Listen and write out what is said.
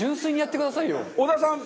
織田さん